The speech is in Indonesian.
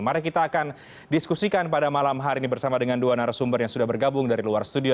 mari kita akan diskusikan pada malam hari ini bersama dengan dua narasumber yang sudah bergabung dari luar studio